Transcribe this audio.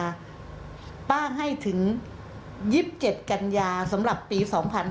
นี้ป้างให้ถึง๒๗กัญญาสำหรับปี๒๕๖๔